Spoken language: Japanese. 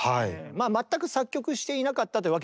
まあ全く作曲していなかったというわけじゃないです。